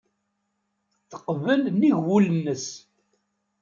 Teqbel nnig wul-nnes.